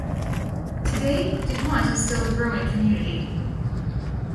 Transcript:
Today, DuPont is still a growing community.